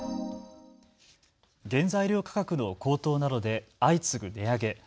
原材料価格の高騰などで相次ぐ値上げ。